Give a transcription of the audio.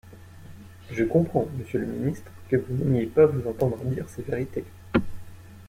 Je comprends, monsieur le ministre, que vous n’aimiez pas vous entendre dire ces vérités.